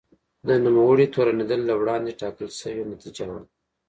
د نوموړي تورنېدل له وړاندې ټاکل شوې نتیجه وه.